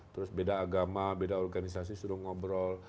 terus beda agama beda organisasi suruh ngobrol